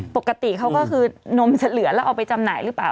ปกติเขาก็คือนมจะเหลือแล้วเอาไปจำหน่ายหรือเปล่า